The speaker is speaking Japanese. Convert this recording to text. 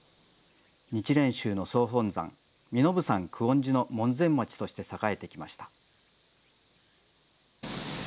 日蓮宗の総本山、身延山久遠寺の門前町として栄えてきました。